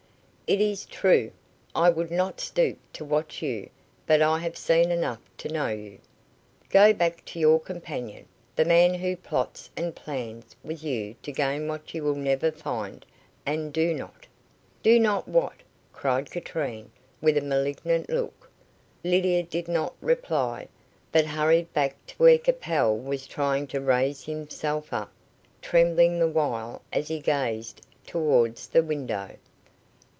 "It is true. I would not stoop to watch you, but I have seen enough to know you. Go back to your companion the man who plots and plans with you to gain what you will never find, and do not " "Do not what?" cried Katrine, with a malignant look. Lydia did not reply, but hurried back to where Capel was trying to raise himself up, trembling the while, as he gazed towards the window.